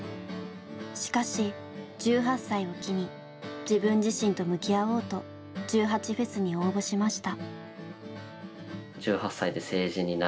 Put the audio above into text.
しかし１８歳を機に自分自身と向き合おうと１８祭に応募しました。